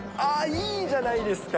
いいじゃないですか。